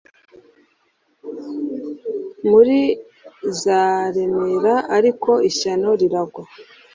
Muri zaremera ariko ishyano riragwa